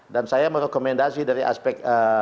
dan saya merekomendasi dari aspek